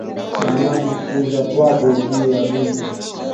Bana mufukuza kwabo juya bwizi